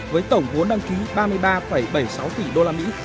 với tổng vốn đăng ký ba mươi ba bảy mươi sáu tỷ usd